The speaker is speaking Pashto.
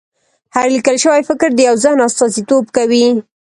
هر لیکل شوی فکر د یو ذهن استازیتوب کوي.